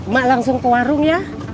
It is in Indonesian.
mak langsung ke warung ya